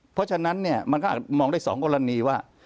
เพราะฉะนั้นเนี่ยมันก็อาจมองได้๒กรณีว่า